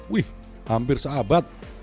wih hampir seabad